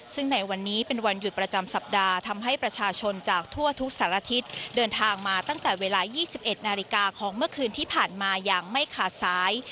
ซึ่งในวันนี้เป็นวันหยุดประจำสัปดาห์ทำให้ประชาชนจากทั่วทุกสารทิศเดินทางมาตั้งแต่เวลา๒๑นาฬิกาของเมื่อคืนที่ผ่านมาอย่างไม่ขาดสาย